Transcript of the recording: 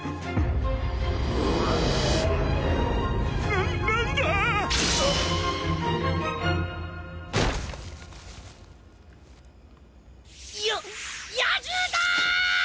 なっ何だ！？や野獣だ！